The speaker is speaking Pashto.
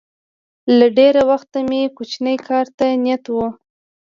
له ډېره وخته مې کوچني کار ته نیت و